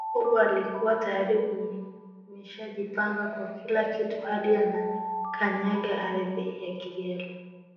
Jacob alikua tayari ameshajipanga kwa kila kitu hadi anakanyaga ardhi ya Kigali